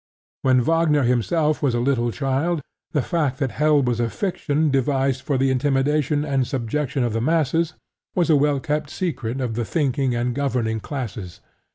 When Wagner himself was a little child, the fact that hell was a fiction devised for the intimidation and subjection of the masses, was a well kept secret of the thinking and governing classes.